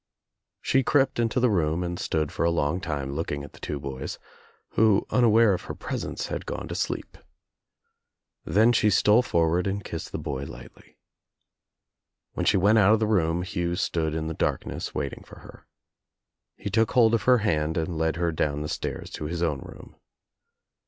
She crept into the room and stood for a long time looking at the two boys, who unaware of her presence had gone to sleep. Then she stole forward and kissed the boy lightly. When she went out of the room Hugh stood in the darkness waiting for her. He took hold of her hand and led her down the stairs to his own room.